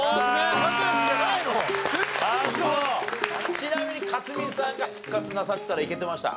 ちなみに克実さんが復活なさってたらいけてました？